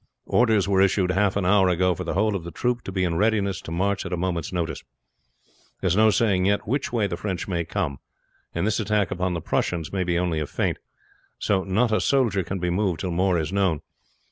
Orders were issued half an hour ago for the whole of the troops to be in readiness to march at a moment's notice. There's no saying yet which way the French may come, and this attack upon the Prussians may be only a feint; so not a soldier can be moved till more is known.